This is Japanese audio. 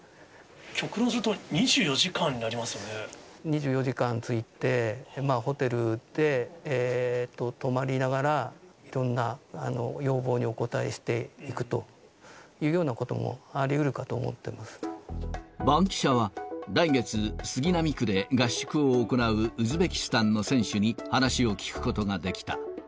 極論すると、２４時間になり２４時間ついて、ホテルで泊まりながら、いろんな要望にお応えしていくというようバンキシャは来月、杉並区で合宿を行うウズベキスタンの選手に話を聞くことができた。